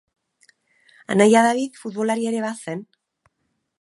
Anaia David futbolaria ere bazen.